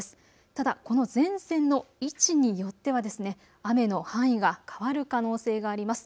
ただこの前線の位置によっては雨の範囲が変わる可能性があります。